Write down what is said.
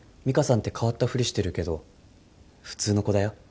美香さんって変わったふりしてるけど普通の子だよ。